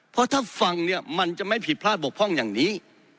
เพราะถ้าฟังเนี่ยมันจะไม่ผิดพลาดบกพร่องอย่างนี้